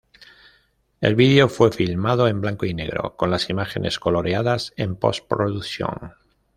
El video fue filmado en blanco y negro con las imágenes coloreadas en post-producción.